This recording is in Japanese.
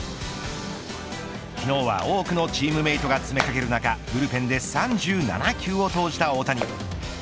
昨日は多くのチームメイトが詰めかける中ブルペンで３７球を投じた大谷。